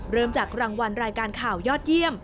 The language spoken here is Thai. เริ่มจากรางวัลรายการข่าวยอดเยี่ยม